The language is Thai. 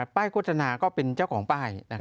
โฆษณาก็เป็นเจ้าของป้าย